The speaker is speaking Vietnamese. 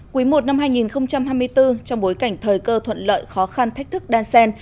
quý i năm hai nghìn hai mươi bốn trong bối cảnh thời cơ thuận lợi khó khăn thách thức đan sen